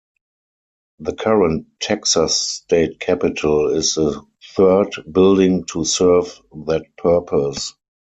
The current Texas State Capitol is the third building to serve that purpose.